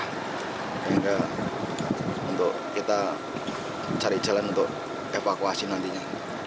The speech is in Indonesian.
sehingga untuk kita cari jalan untuk evakuasi nantinya